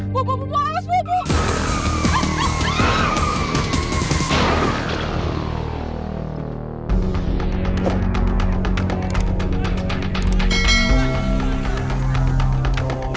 buah buah buah alas buah buah